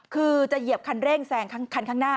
คือจะเหยียบคันเร่งแซงคันข้างหน้า